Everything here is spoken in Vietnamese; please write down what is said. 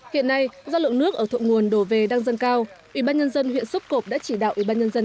hiện nay do lượng nước ở thụ nguồn đổ về đang dâng cao